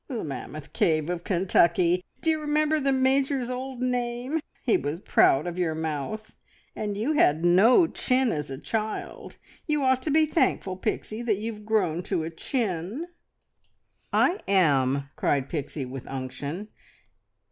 "The Mammoth Cave of Kentucky! D'you remember the Major's old name? He was proud of your mouth. And you had no chin as a child. You ought to be thankful, Pixie, that you've grown to a chin!" "I am," cried Pixie with unction.